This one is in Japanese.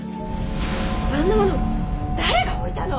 あんなもの誰が置いたの！